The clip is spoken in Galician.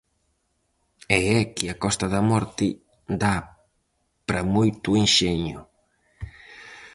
E é que a Costa da Morte dá para moito enxeño.